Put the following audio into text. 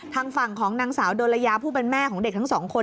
ทางฝั่งของนางสาวโดนระยาผู้เป็นแม่ของเด็กทั้งสองคน